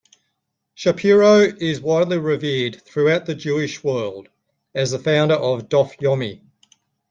Shapiro is widely revered throughout the Jewish world as the founder of Daf Yomi.